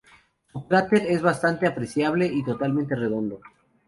Su cráter es bastante apreciable y totalmente redondo.